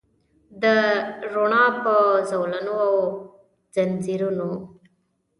د روڼا په زولنو او ځنځیرونو